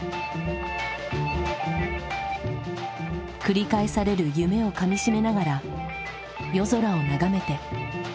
繰り返される夢をかみしめながら夜空を眺めて。